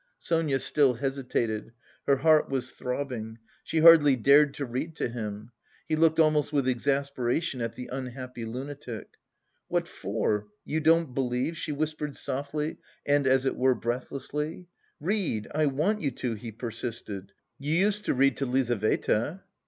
Sonia still hesitated. Her heart was throbbing. She hardly dared to read to him. He looked almost with exasperation at the "unhappy lunatic." "What for? You don't believe?..." she whispered softly and as it were breathlessly. "Read! I want you to," he persisted. "You used to read to Lizaveta."